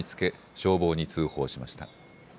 消防に通報しました。